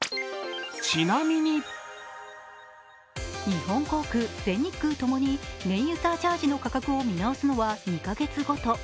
日本航空、全日空ともに燃油サーチャージの価格を見直すのは２カ月ごと。